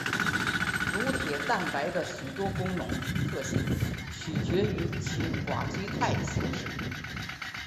乳铁蛋白的许多功能特性取决于其寡聚态形式。